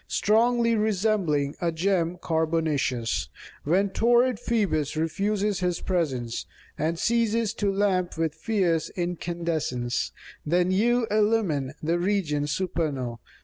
Strongly resembling a gem carbonaceous. When torrid Phoebus refuses his presence And ceases to lamp with fierce incandescence^ Then you illumine the regions supernal.